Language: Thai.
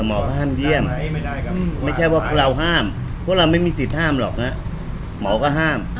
หมอก็ห้ามเยี่ยมไม่ใช่ว่าพวกเราห้ามพวกเราไม่มีสิทธิ์ห้ามหรอกนะหมอก็ห้าม